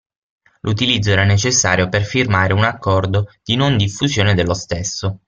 L'utilizzo era necessario per firmare un accordo di non-diffusione dello stesso.